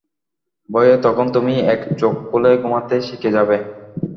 ভয়ে তখন তুমি এক চোখ খুলে ঘুমাতে শিখে যাবে।